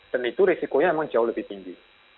dan itu risikonya memang jauh lebih tinggi